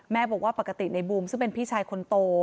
บอกว่าปกติในบูมซึ่งเป็นพี่ชายคนโต